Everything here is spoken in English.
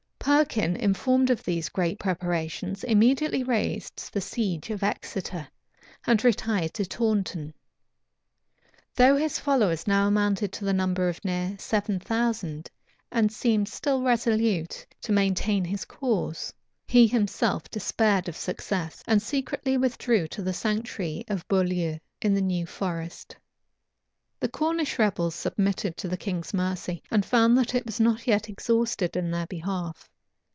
Perkin, informed of these great preparations, immediately raised the siege of Exeter, and retired to Taunton. Though his followers now amounted to the number of near seven thousand, and seemed still resolute to maintain his cause, he himself despaired of success, and secretly withdrew to the sanctuary of Beaulieu, in the new forest. The Cornish rebels submitted to the king's mercy, and found that it was not yet exhausted in their behalf.